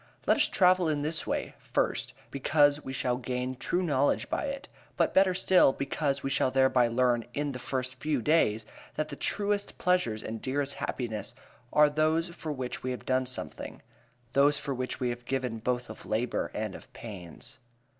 Let us travel in this way; first, because we shall gain true knowledge by it, but better still, because we shall thereby learn in the first days that the truest pleasures and the dearest happinesses are those for which we have done something; those for which we have given both of labor and of pains.